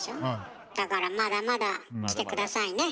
だからまだまだ来て下さいね。